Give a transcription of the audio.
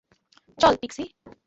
চল, পিক্সি।